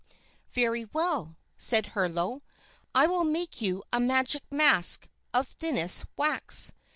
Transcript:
"Very well," said Herlo. "I will make you a magic mask of thinnest wax.